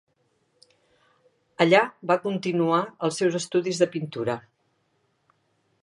Allà va continuar els seus estudis de pintura.